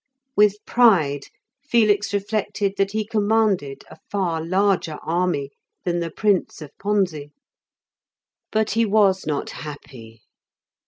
With pride Felix reflected that he commanded a far larger army than the Prince of Ponze. But he was not happy.